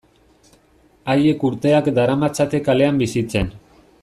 Haiek urteak daramatzate kalean bizitzen.